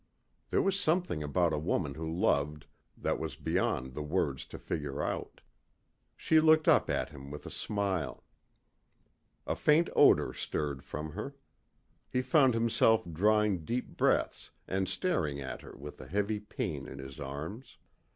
There was something about a woman who loved that was beyond words to figure out. She looked up at him with a smile. A faint odor stirred from her. He found himself drawing deep breaths and staring at her with a heavy pain in his arms.